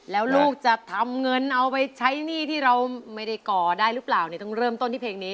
แล้วลูกจะทำเงินเอาไปใช้หนี้ที่เราไม่ได้ก่อได้หรือเปล่าเนี่ยต้องเริ่มต้นที่เพลงนี้